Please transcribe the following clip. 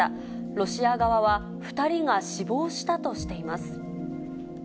ロシア側は、２人が死亡したとしています。